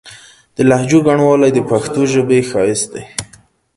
د لهجو ګڼوالی د پښتو ژبې ښايست دی.